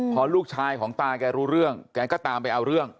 พอลูกชายของตาแกรู้เรื่องแกก็ตามไปเอาเรื่อง